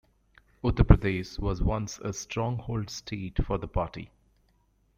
Uttar Pradesh was once a stronghold state for the party.